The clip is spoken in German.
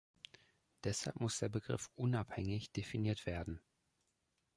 Deshalb muss der Begriff "unabhängig" definiert werden.